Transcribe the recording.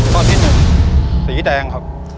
ข้อที่หนึ่งสีแดงครับ